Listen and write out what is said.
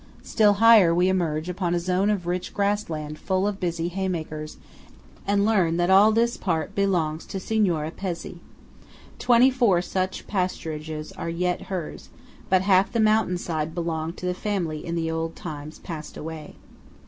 Still higher, we emerge upon a zone of rich grass land full of busy hay makers, and learn that all this part belongs to Signora Pezzé. Twenty four such pasturages are yet hers; but half the mountain side belonged to the family in the old times past away.